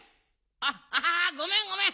あっあごめんごめん。